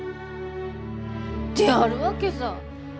であるわけさぁ。